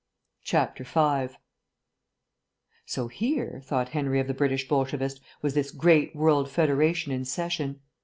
5 So here, thought Henry of the British Bolshevist, was this great world federation in session.